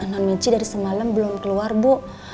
non michi dari semalam belum keluar bu